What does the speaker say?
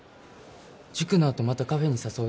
塾のあとまたカフェに誘う？